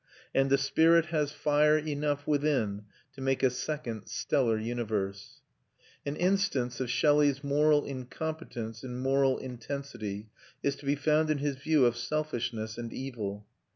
And the spirit has fire enough within to make a second stellar universe. An instance of Shelley's moral incompetence in moral intensity is to be found in his view of selfishness and evil.